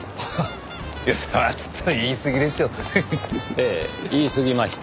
ええ言いすぎました。